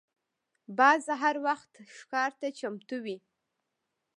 باز هر وخت ښکار ته چمتو وي